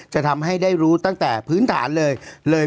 จะทำให้ได้รู้ตั้งแต่พื้นฐานเลยเลย